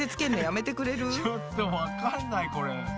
ちょっとわかんないこれ。